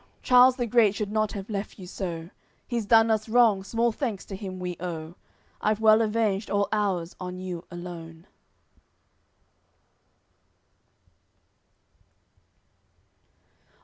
Charles the great should not have left you so; He's done us wrong, small thanks to him we owe; I've well avenged all ours on you alone."